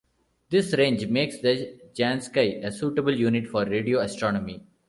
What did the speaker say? This range makes the jansky a suitable unit for radio astronomy.